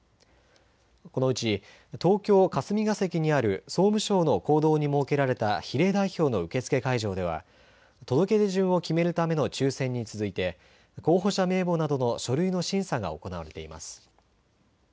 このうち東京霞が関にある総務省の講堂に設けられた比例代表の受け付け会場では届け出順を決めるための抽せんに続いて候補者名簿などの書類の審査が行われています。